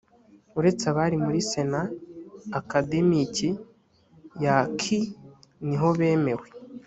uretse abari muri sena akademiki ya khi nibo bemewe.